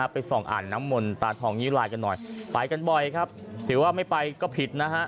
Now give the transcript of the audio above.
ไปส่องอ่านน้ำมนตาทองนิ้วลายกันหน่อยไปกันบ่อยครับถือว่าไม่ไปก็ผิดนะฮะ